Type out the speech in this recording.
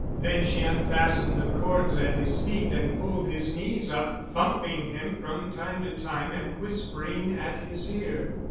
Then she unfastened the cords at his feet and pulled his knees up, thumping him from time to time and whispering at his ear.